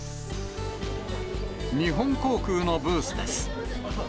日本航空のブースです。